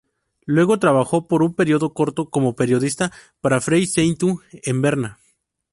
Luego trabajó por un período corto como periodista para Freie Zeitung en Berna.